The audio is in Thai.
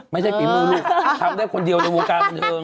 ไม่ใช่ฟิมือลูกทำได้คนเดียวในวงกากันเดิน